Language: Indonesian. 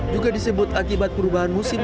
juga disebut akibat perubahan musim